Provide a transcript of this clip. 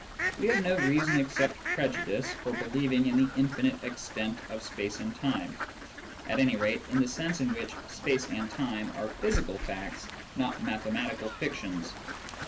We have no reason except prejudice for believ ing in the infinite extent of space and time, at any rate in the sense in which space and time are physical facts, not mathematical fictions.